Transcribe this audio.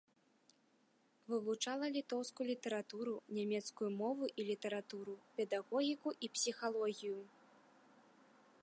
Вывучала літоўскую літаратуру, нямецкую мову і літаратуру, педагогіку і псіхалогію.